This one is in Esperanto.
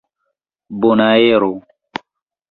bonaero